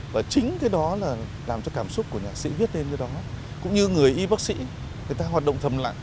và chính cái đó là làm cho cảm xúc của nhạc sĩ viết lên cái đó cũng như người y bác sĩ người ta hoạt động thầm lặng